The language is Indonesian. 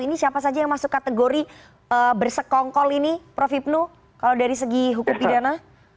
ini siapa saja yang masuk kategori bersekongkol ini prof hipnu kalau dari segi hukum pidana